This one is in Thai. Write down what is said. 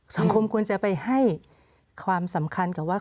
สังคมควรจะไปให้ความสำคัญกับว่า